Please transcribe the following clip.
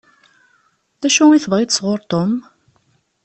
D acu i tebɣiḍ sɣur Tom?